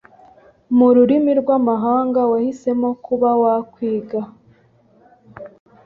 mu rurimi rw’amahanga wahisemo kuba wakwiga